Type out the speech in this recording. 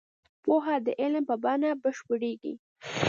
پوهه د عمل په بڼه بشپړېږي.